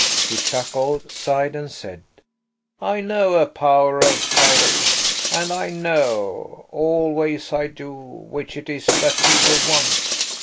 He chuckled, sighed, and said– "I know a power of tales. And I know, always I do, which it is that people want.